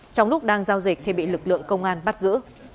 trong lúc đang giao dịch thì bị lực lượng công an bắt giữ